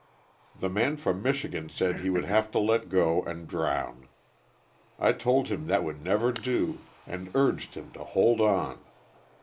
The man from Michigan said he would have to let go and drown. I told him that would never do, and urged him to hold on.